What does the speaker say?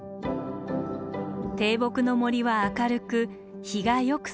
低木の森は明るく日がよくさし込みます。